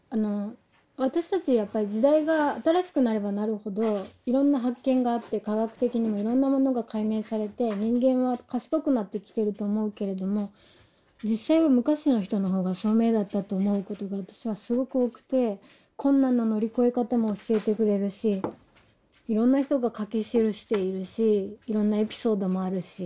私たちやっぱり時代が新しくなればなるほどいろんな発見があって科学的にもいろんなものが解明されて人間は賢くなってきてると思うけれども実際は昔の人の方が聡明だったと思うことが私はすごく多くて困難の乗り越え方も教えてくれるしいろんな人が書き記しているしいろんなエピソードもあるし。